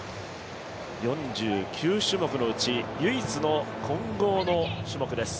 ４９種目のうち、唯一の混合の種目です。